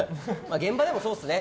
現場でもそうですね。